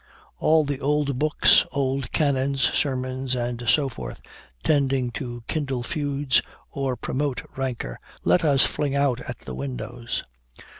All the old books, old canons, sermons, and so forth, tending to kindle feuds, or promote rancor, let us fling out at the windows.